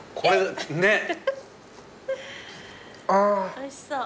おいしそう。